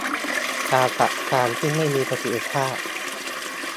การจัดการที่ไม่มีประสิทธิภาพ